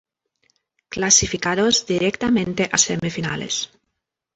Clasificados Directamente a Semifinales